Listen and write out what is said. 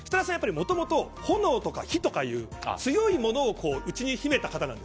もともと炎とか火とか強いものを内に秘めた方なので。